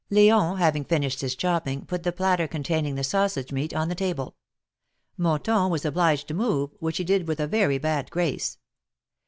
Leon, having finished his chopping, put the platter con taining the sausage meat on the table. Mon ton was obliged to move, which he did with a very bad grace.